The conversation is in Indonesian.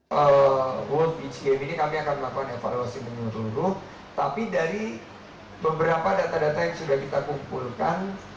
kalau world beach game ini kami akan melakukan evaluasi menyeluruh tapi dari beberapa data data yang sudah kita kumpulkan